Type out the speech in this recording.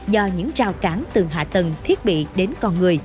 do những rào cản từ hạ tầng thiết bị đến con người